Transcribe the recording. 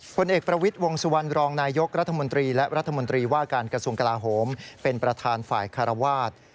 ผลเอกประวิทย์วงสุวรรณรองนายกรัฐมนตรีและรัฐมนตรีว่าการกระทรวงกลาโหมเป็นประธานฝ่ายคารวาส